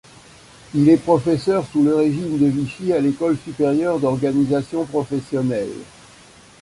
Il est professeur sous le régime de Vichy à l'École supérieure d'organisation professionnelle.